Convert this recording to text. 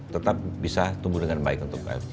tetap bisa tumbuh dengan baik untuk ifg